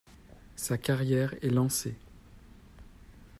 Sa carrière est lancée...